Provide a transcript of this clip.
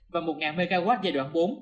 và một mw giai đoạn bốn